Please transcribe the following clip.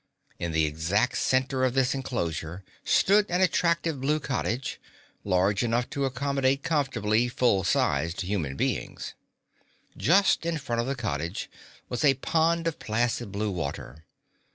In the exact center of this enclosure stood an attractive blue cottage, large enough to accommodate comfortably full sized human beings. Just in front of the cottage was a pond of placid blue water.